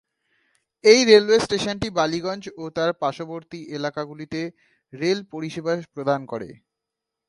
এই রেলওয়ে স্টেশনটি বালিগঞ্জ ও তার পার্শ্ববর্তী এলাকাগুলিতে রেল পরিষেবা প্রদান করে।